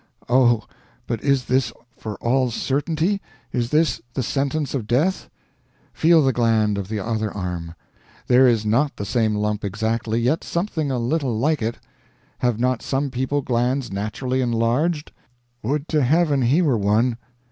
Oh! but is this for all certainty, is this the sentence of death? Feel the gland of the other arm. There is not the same lump exactly, yet something a little like it. Have not some people glands naturally enlarged? would to heaven he were one!